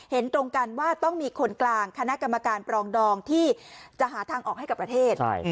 เห็นตรงกันว่าต้องมีคนกลางคณะกรรมการปรองดองที่จะหาทางออกให้กับประเทศ